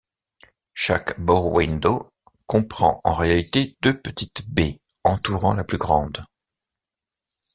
Chaque bow-window comprend en réalité deux petites baies entourant la plus grande.